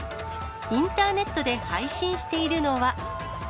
インターネットで配信しているのは。